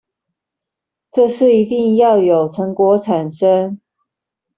這次一定要有成果產生